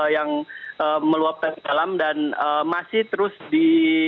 yang meluapkan ke dalam dan masih terus di